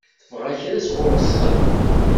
Tebɣa kra sɣur-sen?